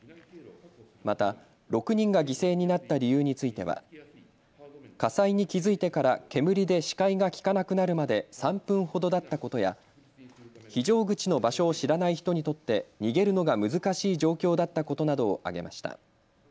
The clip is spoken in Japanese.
また６人が犠牲になった理由については火災に気付いてから煙で視界がきかなくなるまで３分ほどだったことや非常口の場所を知らない人にとって逃げるのが難しい状況だったことなどを挙げました。